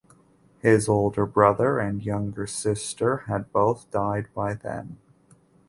His older brother and younger sister had both died by then.